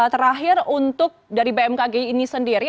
terakhir untuk dari bmkg ini sendiri